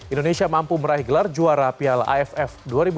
indonesia mampu meraih gelar juara piala aff dua ribu dua puluh